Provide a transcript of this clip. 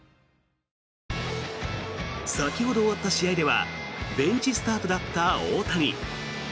先ほど終わった試合ではベンチスタートだった大谷。